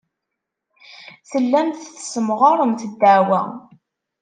Tellamt tessemɣaremt ddeɛwa.